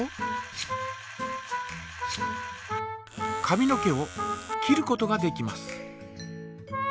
髪の毛を切ることができます。